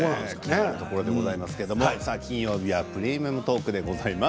金曜日は「プレミアムトーク」でございます。